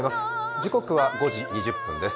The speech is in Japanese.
時刻は５時２０分です。